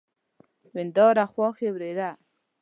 ورېنداره ، خواښې، ورېره